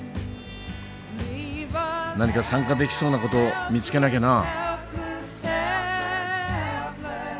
何か参加できそうな事見つけなきゃなあ。